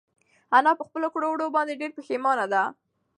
انا په خپلو کړو وړو باندې ډېره پښېمانه ده.